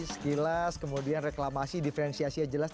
sekilas kemudian reklamasi diferensiasinya jelas